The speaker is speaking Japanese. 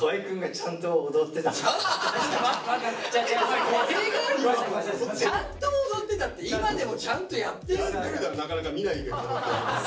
「ちゃんと踊ってた」って今でもちゃんとやってるんだよ。